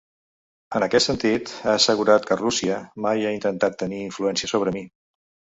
En aquest sentit, ha assegurat que “Rússia mai ha intentat tenir influència sobre mi”.